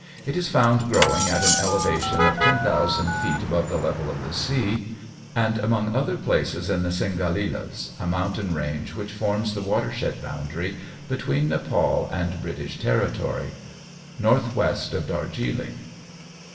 It is found growing at an elevation of 10,000 feet above the level of the sea, and among other places in the Singalilas, a mountain range which forms the watershed boundary between Nepal and British territory, northwest of Darjiling.